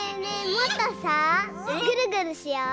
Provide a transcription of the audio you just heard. もっとさぐるぐるしよう！